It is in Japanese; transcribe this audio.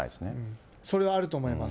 それはあると思います。